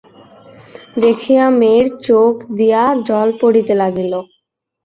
দেখিয়া মেয়ের চোখ দিয়া জল পড়িতে লাগিল।